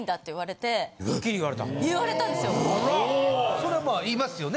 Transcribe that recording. そらまあ言いますよね？